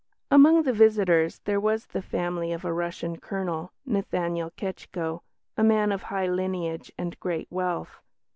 Among the visitors there was the family of a Russian colonel, Nathaniel Ketschko, a man of high lineage and great wealth.